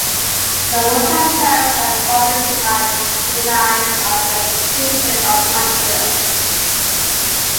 The awards themselves were dominated by Denys Arcand's "Jesus of Montreal".